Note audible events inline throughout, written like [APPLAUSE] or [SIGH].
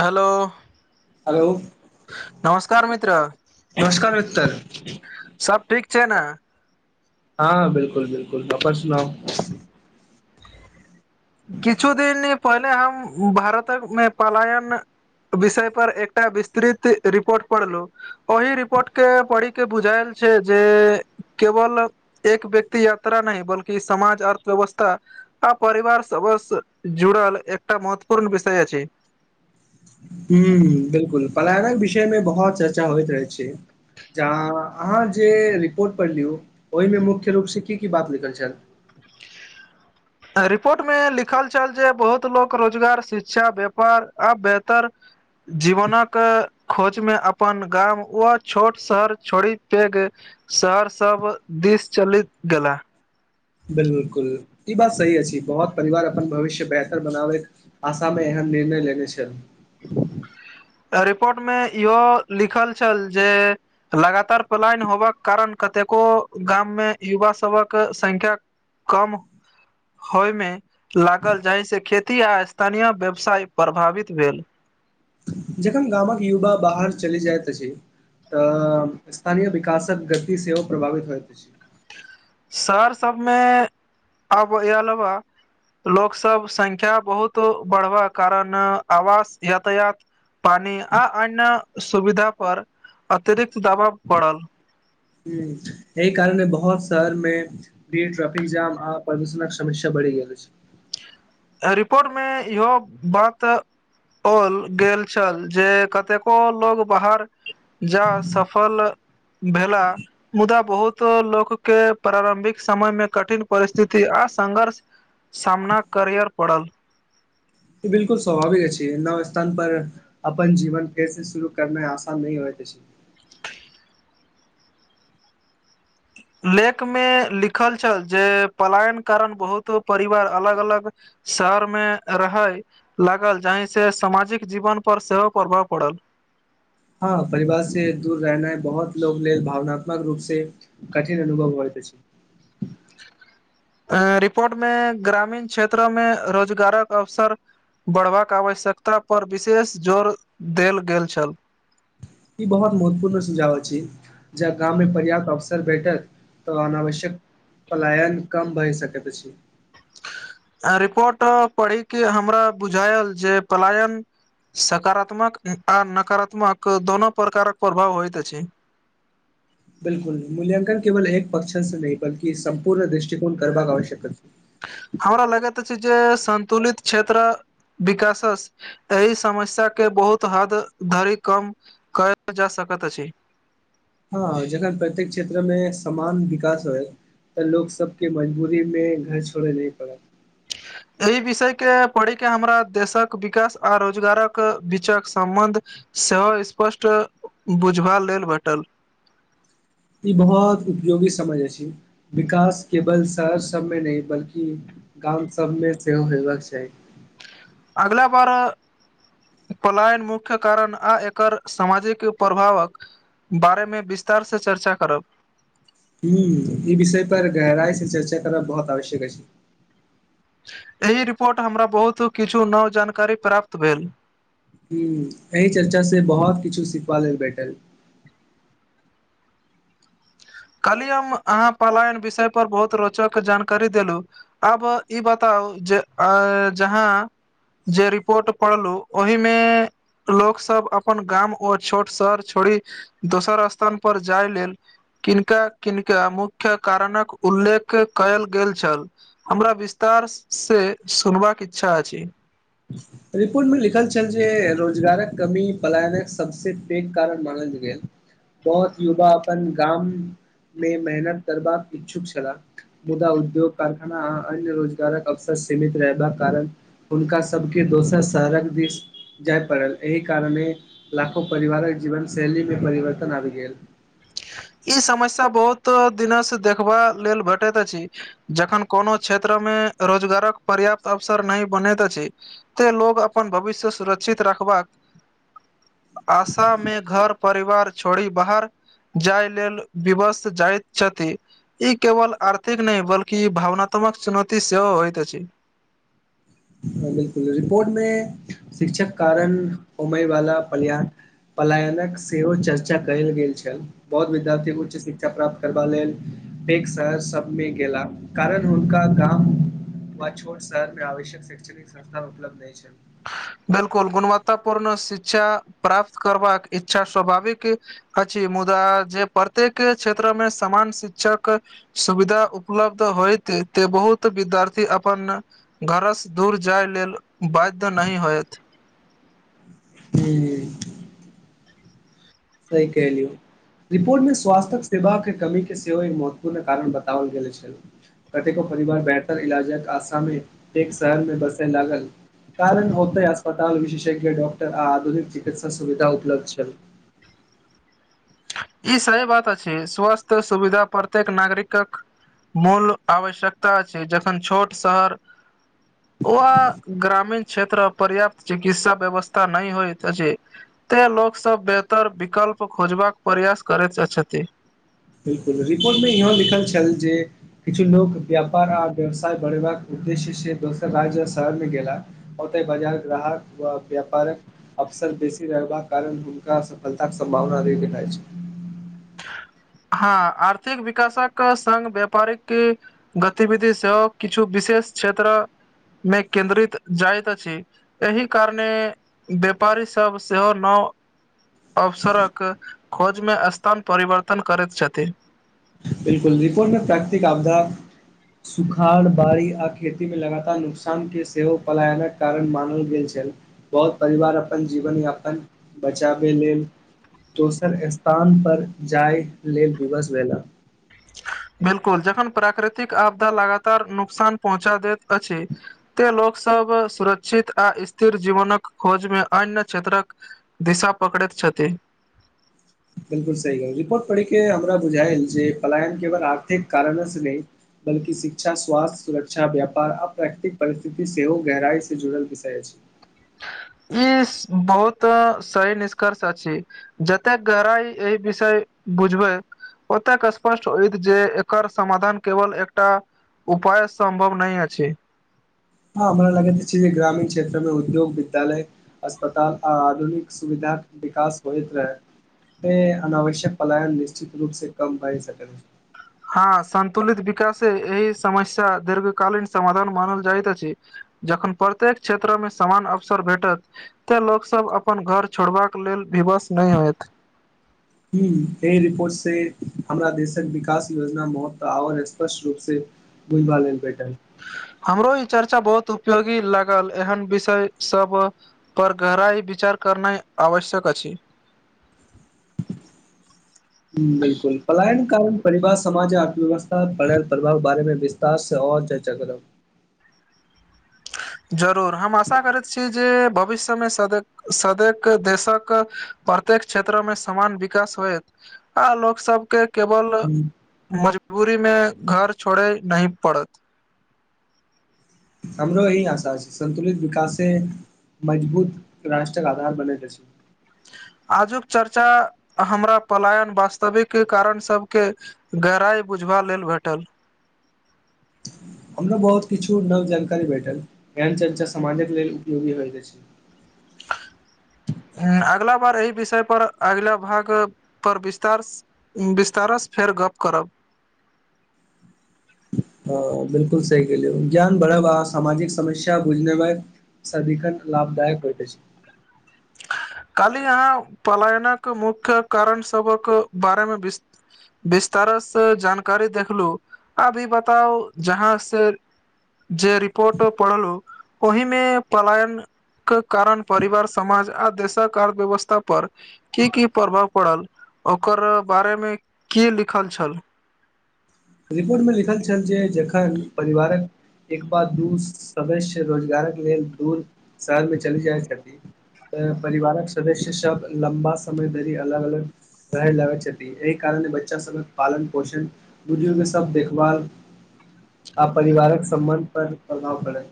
Hello hello नमस्कार मित्र नमस्कार मिक्तर सब ठीक छै न हँ बिल्कुल बिल्कुल अप्पन सुनाउ किछु दिन पहिले हम भारत क मे पलायन विषय पर एकटा विस्तृत रिपोर्ट पढ़लहु ओहि रिपोट के पढी के बुझायल छै जे केवल एक व्यक्ति यात्रा नहि बल्कि समाज अर्थव्यवस्था आ परिवार सबसे जुड़ल एकटा महत्वपूर्ण विषय अछि हु बिलकुल पलायनक विषय मे बहुत चर्चा होइत रहैत छै ज अहाँ जे रिपोर्ट पढ़ लियौ ओहिमे मुख्य रूप से की की बात लिखल छल रिपोर्ट मे लिखल छल जे बहुत लोक रोजगार शिक्षा व्यापार आब बेहतर जीवन क खोज मे अप्पन गाम व छोट शहर छोड़ी पैघ शहर सब दिस चलीत गेलाह बिल्कुल ई बात सही अछि बहुत परिवार अपन भविष्य बेहतर बनाबै आशा मे एहन निर्णय लेने छल रिपोर्ट मे इहो लिखल छल जे लगातार पलायन होबाक कारण कतेको गाम मे युवा सभक संख्या कम होय मे लागल जाहि से खेती आ स्थानीय व्यवसाय प्रभावित भेल जखन गामक युवा बाहर चलि जायत अछि त स्थानीय विकासक गति सेहो प्रभावित होइत अछि शहर सबमे अब इ अलावा लोक सब संख्या बहुतो बढ़बा कारण आवास यातायात पानी आ अन्य सुविधा पर अतिरिक्त दबाव पड़ल हु एहि कारणे बहुत शहर मे बीयेड ट्रैफिक जाम आ प्रदूषणक समस्या बढ़ि गेल अछि रिपोर्ट मे इहो बात ओल गेल छल जे कतेको लोग बाहर जा सफल भेला मुदा बहुत लोक के प्रारम्भिक समय मे कठिन परिस्थिति आ संघर्ष सामना करअर पड़ल बिल्कुल स्वभाविक अछि नव स्थान पर अप्पन जीवन फेर से शुरू करनाइ आसान नहि होयत अछि लेख मे लिखल छल जे पलायन कारण बहुतो परिवार अलग अलग शहर मे रहैय लागल जाहि से सामाजिक जीवन पर सेहो प्रभाव पड़ल हँ परिवार से दूर रहनाइ बहुत लोग लेल भावनात्मक रूप से कठिन अनुभव होयत अछि अ रिपोर्ट मे ग्रामीण क्षेत्र में रोजगारक अवसर बढ़बाक आवश्यकता पर विशेष जोर देल गेल छल ई बहुत महत्वपूर्ण सुझाव अछी, जब गाम मे पर्याप्त अवसर भेटत तऽ अनावश्यक पलायन कम भए सकैत अछि, रिपोर्ट पढ़ि के हमरा बुझायल जे पलायन सकारात्मक आ नकारात्मक दोनो प्रकारक प्रभाव होइत छै, बिल्कुल मूल्यङ्कन केवल एक पक्क्ष से नहि बलकी संपूर्ण दृष्टिकोण करबाक आवश्यकता हमरा लगैत अछि जे संतुलित क्षेत्र विकासस एहि समस्या के बहुत हद धरि कम कयल जा सकैत अछि, हँ जखन प्रत्येक क्षेत्रमे समान विकास होयत तऽ लोक सबके मजबूरी मे घर छोड़े नै पड़त एहि विषय के पढ़ि के हमरा देशक विकास आ रोजगारक बीचक सम्बन्ध सेहो स्पष्ट बुझबा लेल भेटल ई बहुत उपयोगी समझ अछी विकास केवल शहर सबमे नहि बल्कि गाम सबमे सेहो होयबाक चाही अगला बार पलायन मुख्य कारण आ एकर सामाजिक प्रभावक बारे मे विस्तार से चर्चा करब हूँ ई विषय पर गहराई से चर्चा करब बहुत आवश्यक अछि, एहि रिपोट हमरा बहुत किछु नव जानकारी प्राप्त भेल हूँ एहि चर्चा से बहुत किछु सिखबा लेल बैटल, कल्ही हम अहाँ पलायन विषय पर बहुत रोचक जानकारी देलु। अब ई बताउ जे अ जहाँ, जे रिपोर्ट पढ़लु ओहिमे लोक सब अपन गाम ओ छोट शहर छोड़ी दोसर स्थन पर जाय लेल किनका किनका मुख्य कारणक उल्लेख कयल गेल छल हमरा विस्तार से सुनबाक इच्छा अछि, रिपोर्टमे लिखल छल जे रोजगारक कमी पलायनक सबसँ पैघ कारण मानल गेल बहुत युवा अपन गाम मे मेहनत करबाक इच्छुक छला मुदा उद्योग कारखाना आ अन्य रोजगारक अवसर सीमित रहबाक कारण हुनका सब के दोसर शहरक देस जाय पड़ल एहि कारणे लाखो परिवारक जीवन शैली मे परिवर्तन आबी गेल ई समस्या बहुत दिना से देखबा लेल भेटैत अछि। जखन कोनो क्षेत्र मे रोजगारक पर्याप्त अवसर नहि बनैत अछि, ते लोग अपन भविष्य सुरक्षित रखबाक [INAUDIBLE] आशा मे घर परिवार छोड़ी बाहर जाय लेल विवस जाइत छथि ई केवल आर्थिक नै बल्कि ई भावनात्मक चुनौती सेहो होयइत अछि, हँ बिल्कुल रिपोर्ट मे शिक्षक कारण होमय वाला पल्याण पलायनक सेहो चर्चा कयल गेल छल, बहुत विद्यार्थी उच्च शिक्षा प्राप्त करबा लेल पेघ स सबमे गेला कारण हुनका गाम व छोट शहरमे आवश्यक शै्षणिक संस्था उपलब्ध नहि छैन बिल्कुल गुणवत्तापूर्ण शिक्षा प्राप्त करबाक इच्छा स्वाभाविक अछि मुदा जे प्रत्येक क्षेत्र मे समान शिक्षक सुविधा उपलब्ध होयत त बहुत विद्यार्थी अपन घरसँ दूर जाय लेल बाध्य नहि होयत ह सही कलियौ निपूर्ण स्वस्थटक सेवा के कमी के सेहो एक महत्वपूर्ण कारण बताओल गेल छल कतेको परिवार बेहतर इलाजक के आशा मे एक शहर में बसे लागल कारण ओते अस्पताल विशेषज्ञ डॉक्टर आ आधुनिक चिकित्सा सुविधा उपलब्ध छै ई सही बात अछि स्वास्थ सुविधा प्रत्येक नागरिकक मूल आवश्यकता अछै जखन छोट शहर ओह ग्रामीण क्षेत्र पर्याप्त चिकित्सा व्यवस्था नहि होयइत अछि ते लोक सब बेहतर विकल्प खोजबाक प्रयास करैत छथि बिल्कुल रिपोर्टमे इहो लिखल छल जे किछु लोक व्यापार आर व्यवसाय बढ़ेबाक उद्देश्य से दोसर राज्य शहर मे गेला ओते बाजार ग्राहक व व्यापारक अवसर बेसी रहबाक कारण हुनका सफलता के सम्भावना र भेट अछ हँ आर्थिक विकासक संगङ्ग व्यापारि क गतिविधि सेहो किछु विशेष क्षेत्र मे केन्द्रित जाइत अछि एहि कारणे व्यापारी सब सेहो न अवसरक खोज मे स्थान परिवर्तन करैत छथि बिलकुल निपरुण प्राकृतिक आपधा सुखाड़ बाड़ी आ खेती मे लगातार नुकसान के सेहो पलायनक कारण मानल गेल छ बहुत परिवार अपन जीवन यापन बचाबै लेल दोसर स्थान पर जाय लेल विवस भेला अ बिलकुल जखन प्राकृतिक आपदा लगातार नुकसान पहुँचा दैत अछि त लोक सब सुरक्षित आ स्थिर जीवनक खोज मे अन्य क्षेत्रक दिशा पकड़ैत छथि बिलकुल सही रिपोर्ट पढ़िक के हमरा बुझायल जे पलायन केवल आर्थिक कारण स नय बलकि शिक्षा स्वास्थ्य सुरक्षा व्यापार अप प्रकृतिक परिस्थिति सेहो गहराई से जुड़ल विषय अछि। ई बहुत सही निष्कर्ष अछी। जते गरइ ई विषय बुझबै। ओतेक स्पष्ट होइत जे एकर समाधान केवल एकटा। उपाय सम्भव नहि अछी हँ हमरा लगैत छै जे ग्रामीण क्षेत्र मे उद्योग विद्यालय अस्पताल आ आधुनिक सुविधाक विकास होइत रहै अनावश्यक पलायन निश्चित रूप से कम बए सकत हँ सन्तुलित विकशे एहि समस्या दीर्घ कालीन समाधान मानल जाइतइत अछि। जखन प्रत्येक क्षेत्र मे समान अवसर भेटत ते लोकोग सब अपन घर छोड़बा लेल विवश नय होयत। ह एहि रिपोर्टसँ हमरा देशक विकास योजना महत्व आओर स्पष्ट रूप से ओहि बालन भेटल हमरो ई चर्चा बहुत उपयोगी लागल एहन विषय सब पर घराई विचार करना आवश्यक अछि बिलकुल पलायन कारण परिवार समाज अर्थव्यवस्था बनल प्रभाव बारे मे विस्तार स आओ चर्चा करब जरूर हम आशा करैत छी जे भविष्यमे सद, सदक देशक प्रत्येक क्षेत्र मे समान विकास होएत। आ लोकोग सब के केवल हम्म, मजबूरी मे घर छोड़े नही पड़त। हमरो यही आशा छै संन्तुलित विकासे मजबूत राष्ट्रक आधार बनल अछि आजुक चर्चा हमरा पलायन वास्तविक कारण सबके गहराइ बुझबा लेल भेटल, हमराो बहुत किछु नव जानकारी भेटल एहन चर्चा समाजक लेल उपयोगी होयत अछि [UNINTELLIGIBLE] अगिला बार एहि विषयपर अगिला भागपर विस्तार बिस्तारसँ फेर गप करब हँ बिल्कुल सही गेलेलिय ज्ञान बढ़ब सामाजिक समस्या बुझने मे सदिकन लाभदायक होइत अछि काली यहाँ पलायनक मुख्य कारण सभक बारेमे विस विस्तारसँ जानकारी देखलू आब ई बताउ जहाँ से जे रिपोर्ट पढ़लु ओहिमे पलायन के कारण परिवार समामाज आ देशक अर्थव्यवस्था पर की की प्रभाव पड़ल ओकर बारे मे की लिखल छल रिपोर्टमे लिखल छल जे जखन परिवारक एक बार दू सदस्य रोजगारके लेल दूर शहरमे चलि जाइ छथिन परिवारक सदस्य सब लम्बा समय धरि अलग अलग रहय लगैत छथि एहि कारणे बच्चा सबक पालन पोषण बुजुर्ग सब देखभाल आ परिवारक सम्बन्ध पर प्रभाव पड़ै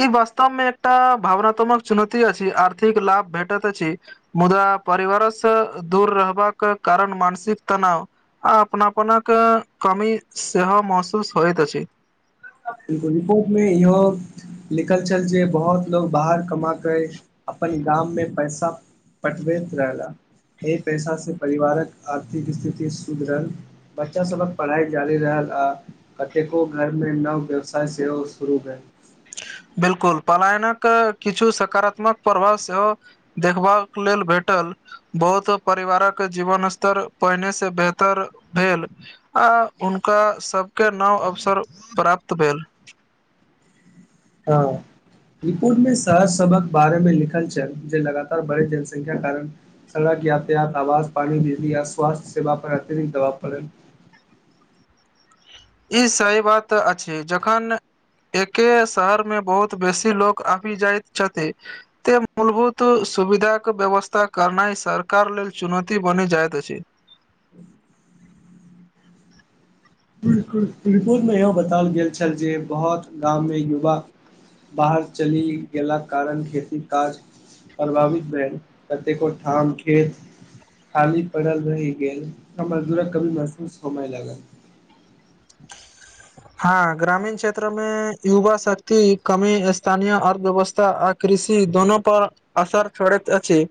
ई वास्तव मे एकटा भावनात्मक चुनौती अछि आर्थिक लाभ भेटैत अछि मुदा परिवारसँ दूर रहबाके कारण मानसिक तनाव आ अपनापनक कमी सेहो महसूस होइत अछि बिल्कुल रिपोर्टमे इहो लिखल छल जे बहुत लोको बाहर कमा कऽ अपन गाममे पैसा पटबैत रहला एहि पैसा सऽ परिवारक आर्थिक स्थिति सुधरल बच्चा सबक पढ़ाई जारी रहल आ कतेको घर मे नव व्यवसाय सेहो शुरू भेल बिल्कुल पलायनक किछु सकारात्मक प्रभाव सेहो देखबाक लेल भेटल बहुत परिवारक जीवन स्तर पहिने से बेहतर भेल आ हुनका सबके नव अवसर प्राप्त भेल हँ रिपोर्ट मे शहर सबक बारे में लिखल छल जे लगातार बढ़े जनसंख्या कारण सड़क यातयात आवाज पानी बिजी आ स्वास्थ्य सेवा पर अतिरिक्त दावाब पड़ल ई सही बात अछि जखन एके शहर मे बहुत बेसी लोग आबि जाइत छथि एते मूलभूत सुविधाक कऽ व्यवस्था करनाइ सरकार लेल चुनौती बनि जाइत अछि रिपोटमे इहो बताओल गेल छल जे बहुत गाममे युवा बाहर चलि गेलाक कारण खेती काज प्रभावित भेल कतेको ठाम खेत खाली पड़ल रहि गेल मजदूरक कभी महसूस होबय लागल हँ ग्रामीण क्षेत्र मे युवा शक्ति कमी स्थानीय अर्थव्यवस्था कृषि दुनू पर असर छड़ैत अछि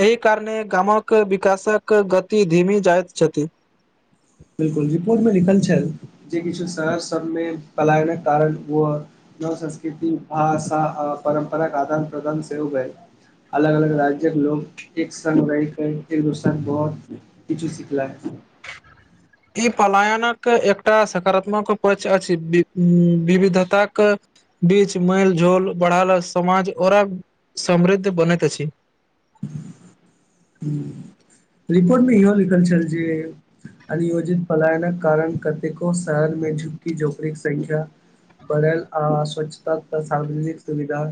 एहि कारणे गामक विकासक गति धीमी जाइत छथि रिपोर्टमे लिखल छल जे किछु शहर सब मे पलायनक कारण ओ नव संस्कृति हा परम्पराक आदान प्रदान सोहो भेल अलग अलग राज्य के लोग एक संग रहिके एक दोसर बहुत किछु सिखल ई पलायनक एकटा सकारात्मक पच अछि विविधताक बीच मेल झोल बढ़ाला समाज और समृद्ध बनैत अछि रिपोर्टमे इहो लिखल छल जे अनियोजित पलायनक कारण कतेको शहरमे झुपकी झोपड़ी संख्या बढ़ल आ स्वच्छता स सार्वजनिक सुविधा